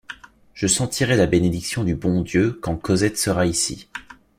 Je sentirai la bénédiction du bon Dieu quand Cosette sera ici.